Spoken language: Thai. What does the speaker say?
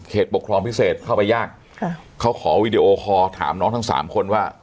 ปกครองพิเศษเข้าไปยากค่ะเขาขอวีดีโอคอร์ถามน้องทั้งสามคนว่า